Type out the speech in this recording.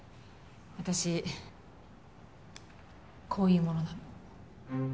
私こういう者なの。